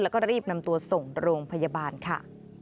แล้วก็รีบนำตัวส่งโรงพยาบาลค่ะ